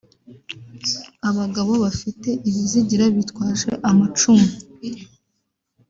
abagabo bafite ibizigira bitwaje amacumu